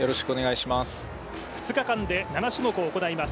２日間で７種目を行います。